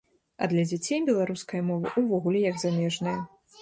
А для дзяцей беларуская мова ўвогуле як замежная.